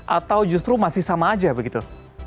atau justru masih sama aja begitu